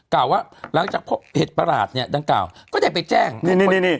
กล่าวว่าหลังจากพบเห็ดประหลาดเนี่ยดังกล่าวก็ได้ไปแจ้งให้คน